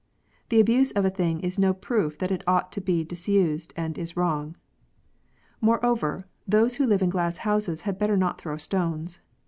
The abuse of a thing is no proof that it ought to be disused and is wrong. Moreover, those who live in glass houses had better not throw stones.